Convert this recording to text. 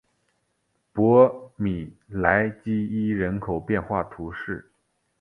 博米莱基伊人口变化图示